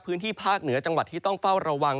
พื้นที่ภาคเหนือจังหวัดที่ต้องเฝ้าระวัง